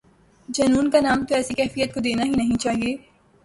جنون کا نام تو ایسی کیفیت کو دینا ہی نہیں چاہیے۔